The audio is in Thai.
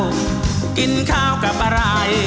กินข้าวกับอะไร